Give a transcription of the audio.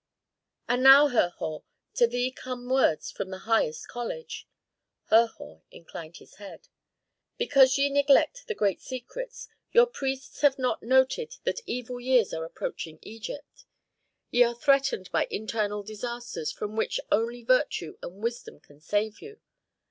"And now, Herhor, to thee come words from the highest college." Herhor inclined his head. "Because ye neglect the great secrets, your priests have not noted that evil years are approaching Egypt. Ye are threatened by internal disasters from which only virtue and wisdom can save you.